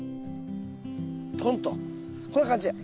トンとこんな感じで。